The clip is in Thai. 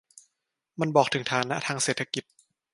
มันบอกถึงฐานะทางเศรษฐกิจ